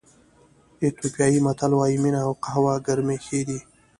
ایتیوپیایي متل وایي مینه او قهوه ګرمې ښې دي.